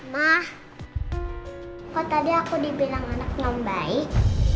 mah kok tadi aku dibilang anak yang baik